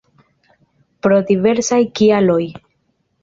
Pro diversaj kialoj.